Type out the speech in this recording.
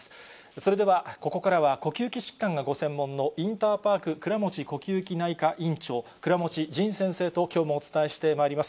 それではここからは呼吸器疾患がご専門のインターパーク倉持呼吸器内科院長、倉持仁先生ときょうもお伝えしてまいります。